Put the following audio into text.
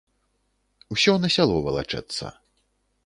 Усё на сяло валачэцца.